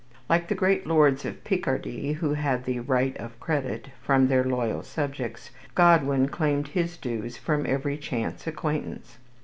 Like the great lords of Picardy, who had the "right of credit" from their loyal subjects, Godwin claimed his dues from every chance acquaintance.